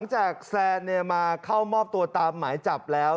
จากแซนมาเข้ามอบตัวตามหมายจับแล้ว